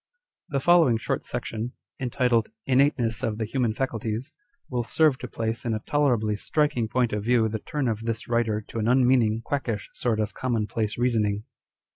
The following short section, entitled INNATENESS OF THE HUMAN FACULTIES, will serve to place in a tolerably striking point of view the turn of this writer to an un meaning, quackisli sort of commonplace reasoning.